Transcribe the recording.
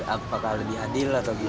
apakah lebih adil atau gimana